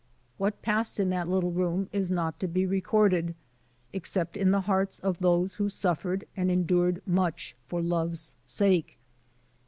What passed in that little room is not to be recorded except in the hearts of those who suf fered and endured much for love's sake.